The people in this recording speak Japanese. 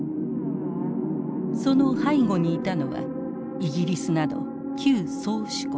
その背後にいたのはイギリスなど旧宗主国。